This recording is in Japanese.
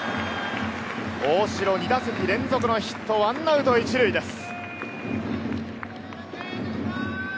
大城、２打席連続のヒット、１アウト１塁です。